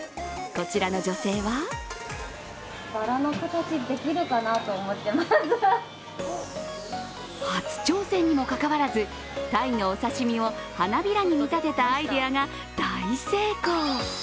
こちらの女性は初挑戦にもかかわらずタイのお刺身を花びらに見立てたアイデアが大成功。